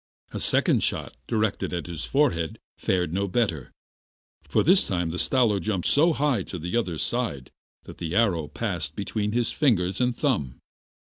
A second shot, directed at his forehead, fared no better, for this time the Stalo jumped so high to the other side that the arrow passed between his finger and thumb.